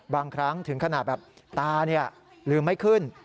บางครั้งถึงขนาดแบบตาลืมไม่ขึ้น